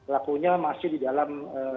lakunya masih di dalam